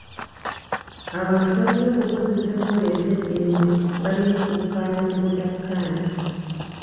Abantu balina okukozesa enkola ez'eddembe balina okukaanya ku obutakaanya.